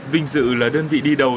vinh dự là đơn vị đi đầu